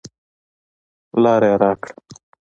لاره یې راکړه.